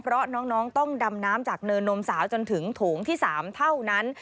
เพราะน้องต้องดำน้ำจากเนินนมสาวจนถึงโถงที่๓เท่านั้น